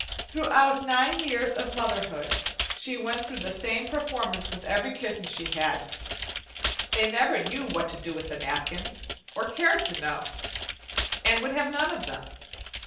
Throughout nine years of motherhood she went through the same performance with every kitten she had. They never knew what to do with the napkins, or cared to know, and would have none of them.